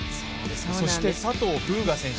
そして佐藤風雅選手。